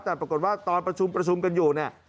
แต่ปรากฏว่าตอนประชุมประชุมกันอยู่เนี่ย